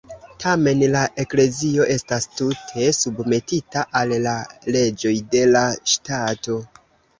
Tamen, la Eklezio estas tute submetita al la leĝoj de la ŝtato.